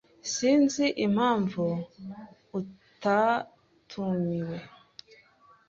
Sinzi impamvu atatumiwe.